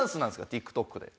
ＴｉｋＴｏｋで。